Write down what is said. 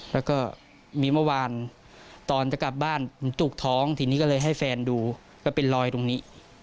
แล้วก็มีเมื่อวานตอนจะกลับบ้านมันจุกท้องทีนี้ก็เลยให้แฟนดูก็เป็นรอยตรงนี้